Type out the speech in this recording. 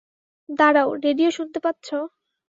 দাঁড়াও - রেডিও শুনতে পাচ্ছ?